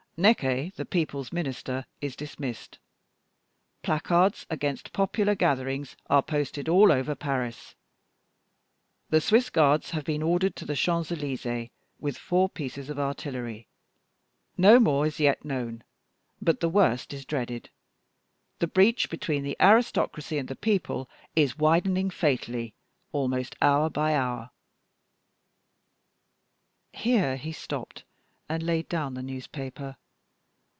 "Necker, the people's Minister, is dismissed. Placards against popular gatherings are posted all over Paris. The Swiss Guards have been ordered to the Champs Elysees, with four pieces of artillery. No more is yet known, but the worst is dreaded. The breach between the aristocracy and the people is widening fatally almost hour by hour." Here he stopped and laid down the newspaper.